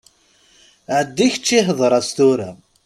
Ɛeddi kečči hḍeṛ-as tura.